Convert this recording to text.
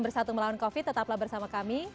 bersatu melawan covid tetaplah bersama kami